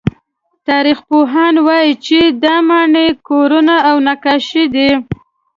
تاریخپوهان وایي چې دا ماڼۍ، کورونه او نقاشۍ دي.